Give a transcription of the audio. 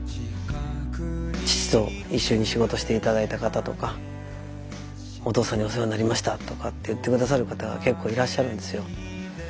父と一緒に仕事して頂いた方とか「お父さんにお世話になりました」とかって言って下さる方が結構いらっしゃるんですよ。